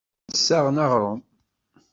Ur d-ssaɣen aɣrum.